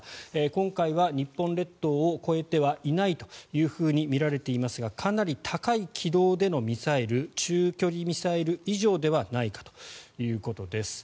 今回は日本列島を越えてはいないとみられていますがかなり高い軌道でのミサイル中距離ミサイル以上ではないかということです。